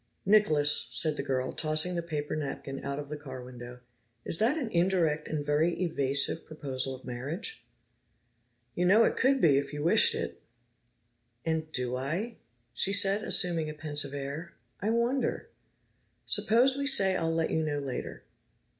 "Nicholas," said the girl, tossing the paper napkin out of the car window, "is that an indirect and very evasive proposal of marriage?" "You know it could be, if you wished it!" "And do I?" she said, assuming a pensive air. "I wonder. Suppose we say I'll let you know later."